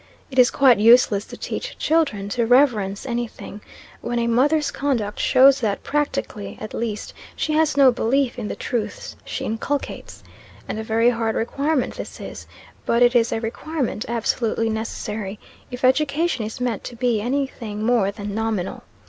It is quite useless to teach children to reverence any thing, when a mother's conduct shows that, practically at least, she has no belief in the truths she inculcates. And a very hard requirement this is: but it is a requirement absolutely necessary, if education is meant to be any thing more than nominal.